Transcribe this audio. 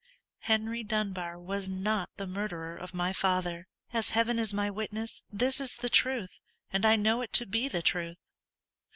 Henry Dunbar was not the murderer of my father. As Heaven is my witness, this is the truth, and I know it to be the truth.